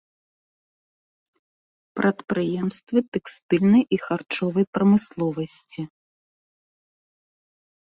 Прадпрыемствы тэкстыльнай і харчовай прамысловасці.